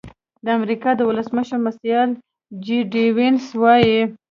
د امریکا د ولسمشر مرستیال جي ډي وینس وايي.